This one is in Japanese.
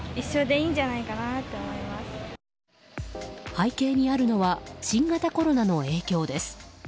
背景にあるのは新型コロナの影響です。